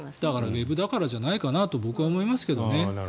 ウェブだからじゃないかなと僕は思いますけどね。